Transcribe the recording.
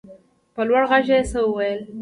په لوړ غږ يې څه وويل.